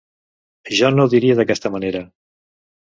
Jo no ho diria d’aquesta manera.